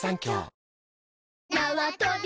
なわとび